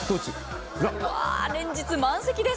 連日満席です。